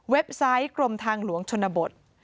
ไซต์กรมทางหลวงชนบท